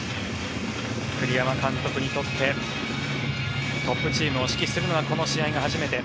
栗山監督にとってトップチームを指揮するのはこの試合が初めて。